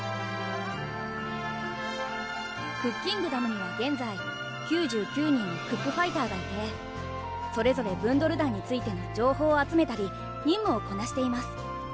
クッキングダムには現在９９人のクックファイターがいてそれぞれブンドル団についての情報を集めたり任務をこなしています